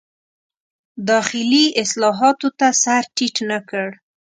داخلي اصلاحاتو ته سر ټیټ نه کړ.